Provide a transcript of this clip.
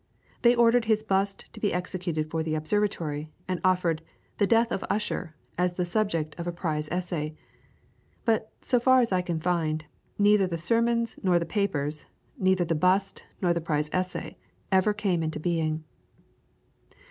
They ordered his bust to be executed for the observatory, and offered "The Death of Ussher" as the subject of a prize essay; but, so far as I can find, neither the sermons nor the papers, neither the bust nor the prize essay, ever came into being.